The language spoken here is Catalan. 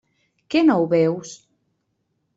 Que no ho veus?